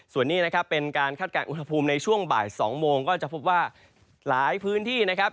ส่วนนี้นะครับเป็นการคาดการณ์อุณหภูมิในช่วงบ่าย๒โมงก็จะพบว่าหลายพื้นที่นะครับ